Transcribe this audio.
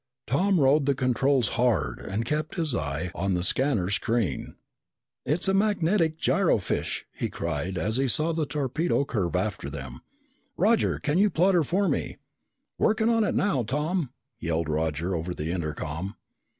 Tom rode the controls hard and kept his eye on the scanner screen. "It's a magnetic gyrofish!" he cried as he saw the torpedo curve after them. "Roger, can you plot her for me?" "Working on it now, Tom!" yelled Roger over the intercom.